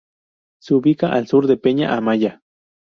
Se ubica al sur de Peña Amaya.